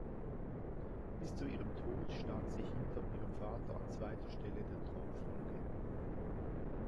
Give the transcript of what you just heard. Bis zu ihrem Tod stand sie hinter ihrem Vater an zweiter Stelle der Thronfolge.